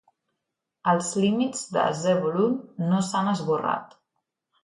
Els límits de Zebulun no s'han esborrat.